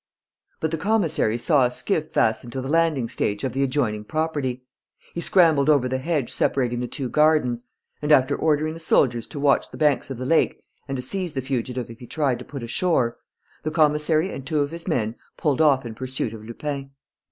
But the commissary saw a skiff fastened to the landing stage of the adjoining property. He scrambled over the hedge separating the two gardens and, after ordering the soldiers to watch the banks of the lake and to seize the fugitive if he tried to put ashore, the commissary and two of his men pulled off in pursuit of Lupin.